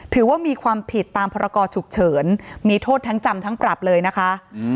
ถือว่ามีความผิดตามพรกรฉุกเฉินมีโทษทั้งจำทั้งปรับเลยนะคะ